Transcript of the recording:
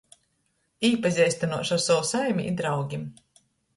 Īpazeistynuošu ar sovu saimi i draugim.